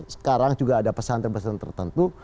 sekarang juga ada pesan pesan tertentu